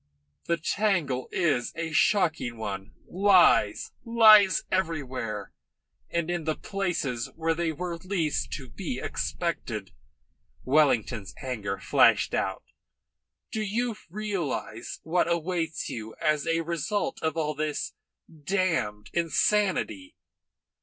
"The tangle is a shocking one lies, lies everywhere, and in the places where they were least to be expected." Wellington's anger flashed out. "Do you realise what awaits you as a result of all this damned insanity?"